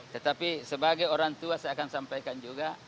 tetapi sebagai orang tua saya akan sampaikan juga